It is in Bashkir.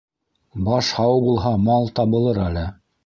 - Баш һау булһа, мал табылыр әле.